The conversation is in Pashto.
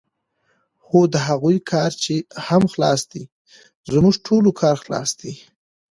خو د هغوی کار هم خلاص دی، زموږ ټولو کار خلاص دی.